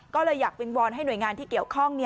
ก็เลยอยากวิงวอนให้หน่วยงานที่เกี่ยวข้อง